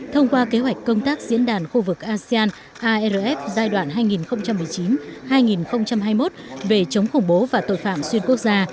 thông qua kế hoạch công tác diễn đàn khu vực asean arf giai đoạn hai nghìn một mươi chín hai nghìn hai mươi một về chống khủng bố và tội phạm xuyên quốc gia